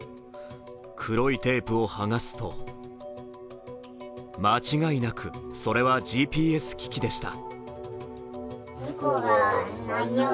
黒いテープを剥がすと間違いなくそれはＧＰＳ機器でした。